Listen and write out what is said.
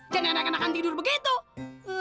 jangan enakan enakan tidur begitu